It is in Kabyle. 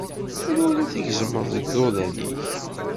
Anwa ar ad tgezmeḍ deg iḍudan-ik?